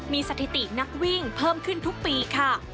มีสถิตินักวิ่งเพิ่มขึ้นทุกปีค่ะ